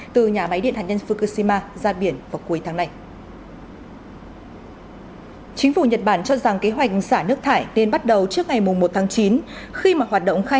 từ nhà máy điện hành viện các nhà máy điện hành viện đã xử lý